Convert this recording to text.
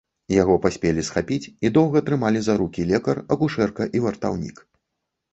Яго паспелі схапіць і доўга трымалі за рукі лекар, акушэрка і вартаўнік.